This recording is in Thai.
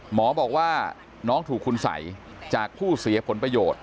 หมอบอกว่าน้องถูกคุณสัยจากผู้เสียผลประโยชน์